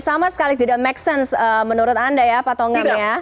sama sekali tidak make sense menurut anda ya pak tongam ya